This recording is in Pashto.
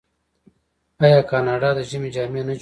آیا کاناډا د ژمي جامې نه جوړوي؟